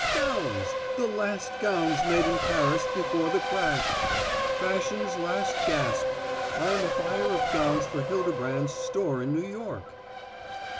"Gowns the last gowns made in Paris before the crash. Fashion's last gasp. I am a buyer of gowns for Hildebrand's store in New York."